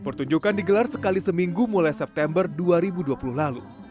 pertunjukan digelar sekali seminggu mulai september dua ribu dua puluh lalu